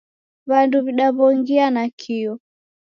W'andu w'idaw'ongia nakio